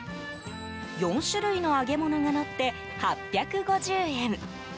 ４種類の揚げ物がのって８５０円。